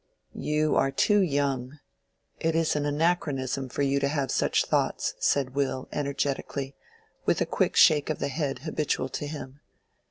"You are too young—it is an anachronism for you to have such thoughts," said Will, energetically, with a quick shake of the head habitual to him.